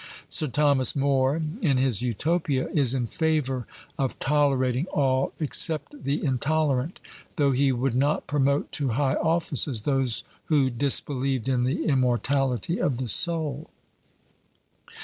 Sir Thomas More, in his Utopia, is in favour of tolerating all except the intolerant, though he would not promote to high offices those who disbelieved in the immortality of the soul.